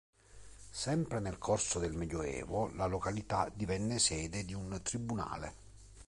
Sempre nel corso del Medioevo, la località divenne sede di un tribunale.